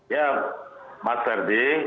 ya mas herdi